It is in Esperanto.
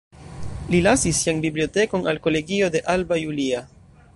Li lasis sian bibliotekon al kolegio de Alba Iulia.